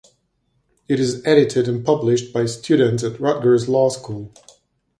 It is edited and published by students at Rutgers Law School.